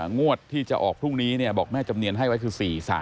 งวดที่จะออกพรุ่งนี้บอกแม่จำเนียนให้ไว้คือ๔๓